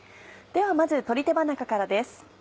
ではまず鶏手羽中からです。